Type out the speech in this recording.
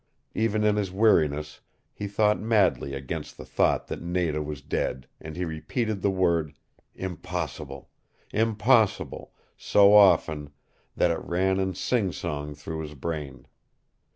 Even in his weariness he fought madly against the thought that Nada was dead and he repeated the word "impossible impossible" so often that it ran in sing song through his brain.